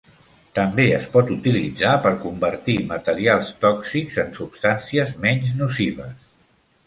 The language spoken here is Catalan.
També es pot utilitzar per convertir materials tòxics en substàncies menys nocives.